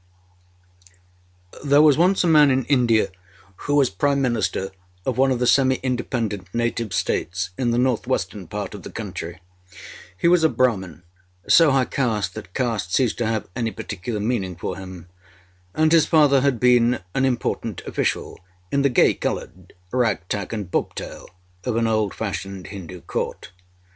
There was once a man in India who was Prime Minister of one of the semi independent native States in the north western part of the country. He was a Brahmin, so high caste that caste ceased to have any particular meaning for him; and his father had been an important official in the gay coloured tag rag and bobtail of an old fashioned Hindu Court.